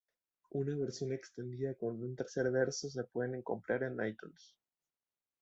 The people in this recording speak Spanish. Una versión extendida con un tercer verso se pueden comprar en iTunes.